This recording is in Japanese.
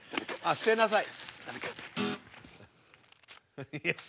捨てなさい。